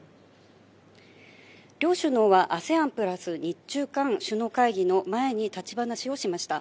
両首脳はＡＳＥＡＮ＋日中韓首脳会議の前に立ち話をしました。